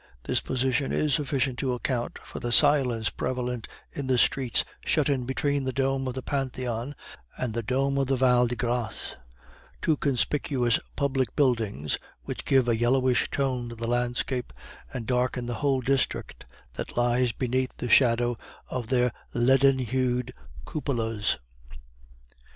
This position is sufficient to account for the silence prevalent in the streets shut in between the dome of the Pantheon and the dome of the Val de Grace, two conspicuous public buildings which give a yellowish tone to the landscape and darken the whole district that lies beneath the shadow of their leaden hued cupolas.